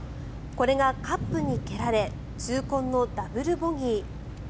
これがカップに蹴られ痛恨のダブルボギー。